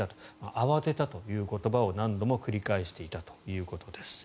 慌てたという言葉を何度も繰り返していたということです。